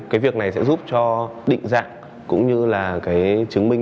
cái việc này sẽ giúp cho định dạng cũng như là cái chứng minh